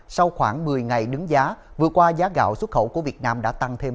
sau khoảng một mươi ngày đứng giá vừa qua giá gạo xuất khẩu của việt nam đã tăng thêm